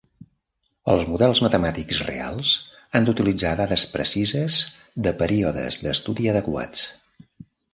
Els models matemàtics reals han d'utilitzar dades precises de períodes d'estudi adequats.